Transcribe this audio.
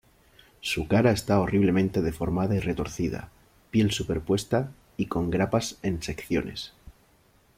Su cara está horriblemente deformada y retorcida, piel superpuesta y con grapas en secciones.